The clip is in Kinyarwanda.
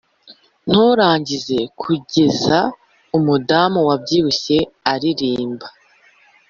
nturangize kugeza umudamu wabyibushye aririmba